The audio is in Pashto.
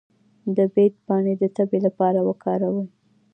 د بید پاڼې د تبې لپاره وکاروئ